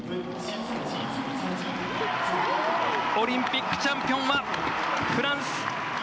オリンピックチャンピオンはフランス！